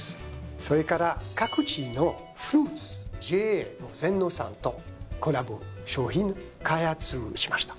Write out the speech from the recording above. それから各地のフルーツＪＡの全農さんとコラボ商品開発しました。